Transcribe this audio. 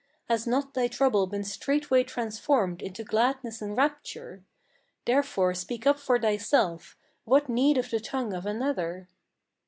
Has not thy trouble been straightway transformed into gladness and rapture? Therefore speak up for thyself; what need of the tongue of another?"